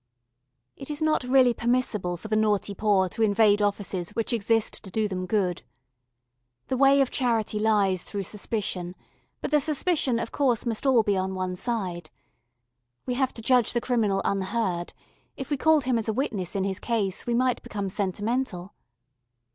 It is not really permissible for the Naughty Poor to invade offices which exist to do them good. The way of charity lies through suspicion, but the suspicion of course must be all on one side. We have to judge the criminal unheard; if we called him as a witness in his case we might become sentimental.